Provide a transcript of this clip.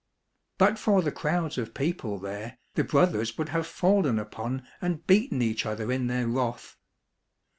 " But for the crowds of people there, the brothers would have fallen upon and beaten each other in their wrath.